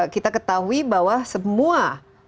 kita ketahui bahwa semua